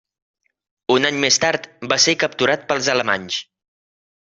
Un any més tard, va ser capturat pels alemanys.